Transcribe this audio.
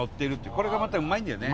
これがまたうまいんだよね。